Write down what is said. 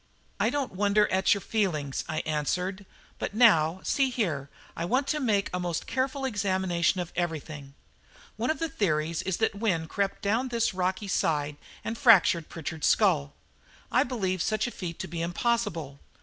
"I don't wonder at your feelings," I answered; "but now, see here, I want to make a most careful examination of everything. One of the theories is that Wynne crept down this rocky side and fractured Pritchard's skull. I believe such a feat to be impossible.